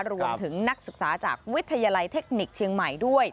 รวมถึงนักศึกษาจากวิทยาลัยเทคนิคเชียงใหม่ด้วย